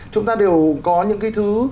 chúng ta đều có những cái thứ